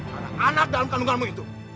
karena anak dalam kandunganmu itu